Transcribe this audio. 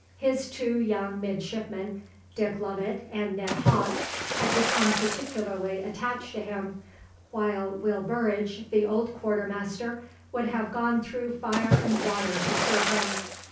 His two young midshipmen Dick Lovatt and Ned Hawke had become particularly attached to him, while Will Burridge, the old quarter master, would have gone through fire and water to serve him.